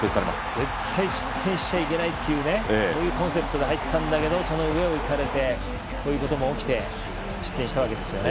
絶対失点しちゃいけないというコンセプトで入ったんだけどその上を行かれてそういうことも起きて失点したわけですね。